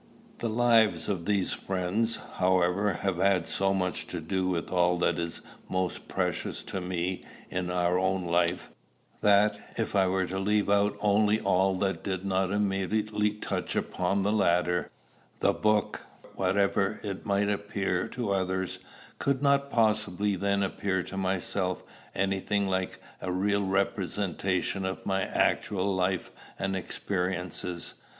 The lives of these friends, however, have had so much to do with all that is most precious to me in our own life, that, if I were to leave out only all that did not immediately touch upon the latter, the book, whatever it might appear to others, could not possibly then appear to myself any thing like a real representation of my actual life and experiences.